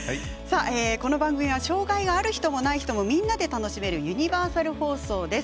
この番組は障がいがある人もない人も楽しめるユニバーサル放送です。